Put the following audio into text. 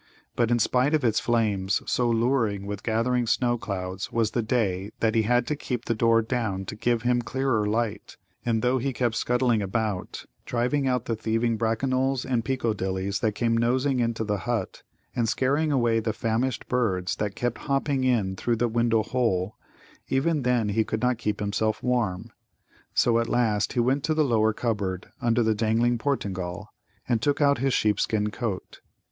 But in spite of its flames, so louring with gathering snow clouds was the day that he had to keep the door down to give him clearer light; and, though he kept scuttling about, driving out the thieving Brackanolls and Peekodillies that came nosing into the hut, and scaring away the famished birds that kept hopping in through the window hole, even then he could not keep himself warm. So at last he went to the lower cupboard, under the dangling Portingal, and took out his sheepskin coat.